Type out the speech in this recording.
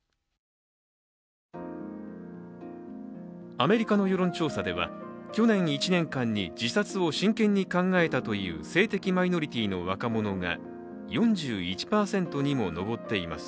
アメリカの世論調査では去年１年間に自殺を真剣に考えたという性的マイノリティの若者が４１％にも上っています。